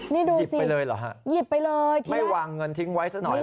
นี่ดูสิหยิบไปเลยไม่วางเงินทิ้งไว้สักหน่อยเหรอ